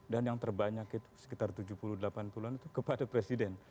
dan yang terbanyak itu sekitar tujuh puluh delapan puluh an itu kepada presiden